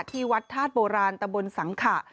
ที่วัดธาตุโบราณตะบนสังขะ